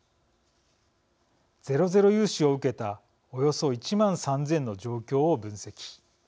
ゼロゼロ融資を受けたおよそ１万３０００の状況を分析。